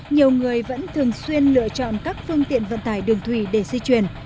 nhiều người vẫn thường xuyên lựa chọn các phương tiện vận tải đường thủy để di chuyển